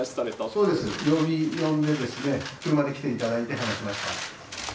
そうです、呼んで、車で来ていただいて、話しました。